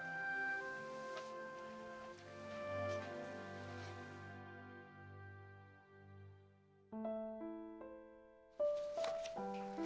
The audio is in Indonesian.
terima kasih pak